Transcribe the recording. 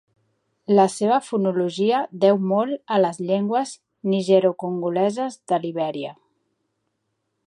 La seva fonologia deu molt a les llengües nigerocongoleses de Libèria.